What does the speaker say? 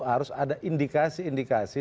harus ada indikasi indikasi